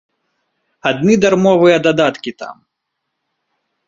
Адны дармовыя дадаткі там.